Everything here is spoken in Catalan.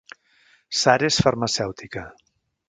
Sara és farmacèutica